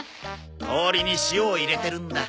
氷に塩を入れてるんだ。